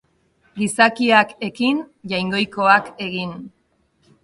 Gizakiak ekin, Jaungoikoak egin